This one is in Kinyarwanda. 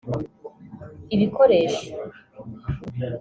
ibikoresho